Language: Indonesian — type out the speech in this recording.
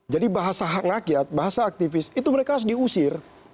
jadi bahasa rakyat bahasa aktivis itu mereka harus diusir